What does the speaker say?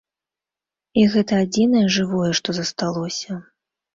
І гэта адзінае жывое, што засталося.